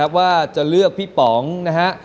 ว่าจะเลือกพี่ป๋องนะฮะ